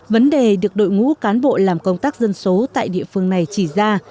vấn đề được đội ngũ cán bộ làm công tác dân số tại địa phương này chỉ ra